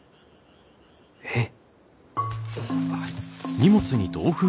えっ？